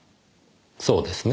そうですね？